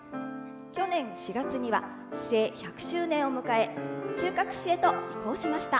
去年４月には市制１００周年を迎え中核市へと移行しました。